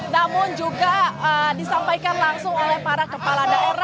namun juga disampaikan langsung oleh para kepala daerah